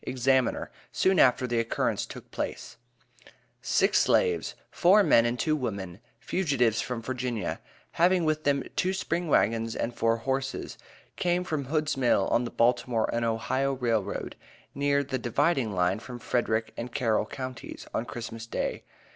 Examiner_, soon after the occurrence took place: "Six slaves, four men and two women, fugitives from Virginia, having with them two spring wagons and four horses, came to Hood's Mill, on the Baltimore and Ohio Railroad, near the dividing line between Frederick and Carroll counties, on Christmas day.